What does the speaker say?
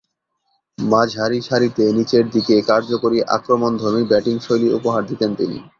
মাঝারিসারিতে নিচেরদিকে কার্যকরী আক্রমণধর্মী ব্যাটিংশৈলী উপহার দিতেন তিনি।